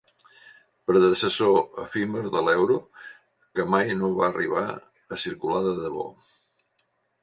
Predecessor efímer de l'euro que mai no va arribar a circular de debò.